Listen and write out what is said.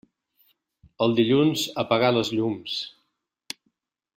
El dilluns, apagar les llums.